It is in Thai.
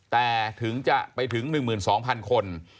แต่ถึงจะไปถึง๑หมื่น๒พันคน